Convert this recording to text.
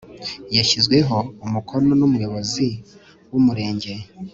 yashyizweho umukono numuyobozi wumurenge